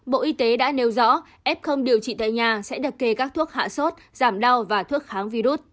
bộ y tế đã nêu rõ ép không điều trị tại nhà sẽ đặt kề các thuốc hạ sốt giảm đau và thuốc kháng virus